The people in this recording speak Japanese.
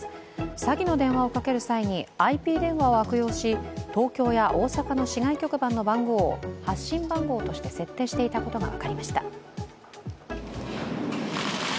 詐欺の電話をかける際にＩＰ電話を悪用し、東京や大阪の市外局番の番号を発信番号として設定したことが分かりました。